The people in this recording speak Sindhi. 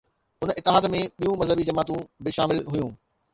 ان اتحاد ۾ ٻيون مذهبي جماعتون به شامل هيون.